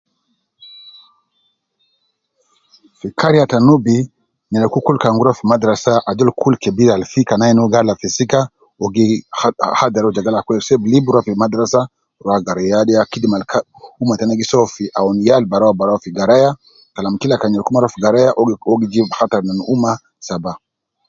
Fi kariya ta Nubi, nyereku kul kan gi ruwa fi madrasa ajol kul kebir al fi kan ayin uwo gi alab fi sika, uwo gi ha hadhar uwo je gal akwe sib lib ruwa fi madrasa ruwa agara ya kidima al kah ummah tena gi soo fi awun yal barau barau fi garaya Kalam kila kan nyereku mma ruwa fi garaya, uwo gi hattar ne ummah saba.